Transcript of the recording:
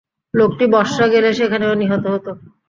লোকটি বসরা গেলে সেখানেও নিহত হত।